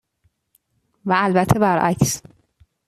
و البته برعکس.